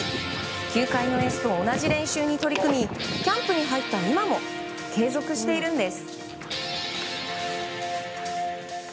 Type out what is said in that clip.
球界のエースと同じ練習に取り組みキャンプに入った今も継続しているんです。